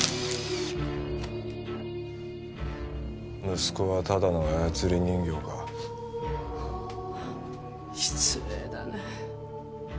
息子はただの操り人形か失礼だね